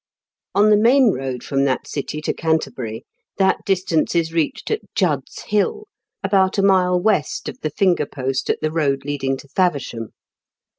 On the main road from that city to Canterbury, that distance is reached at Judd's Hill, about a mile west of the finger post at the road leading to Faversham.